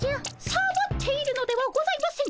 サボっているのではございません。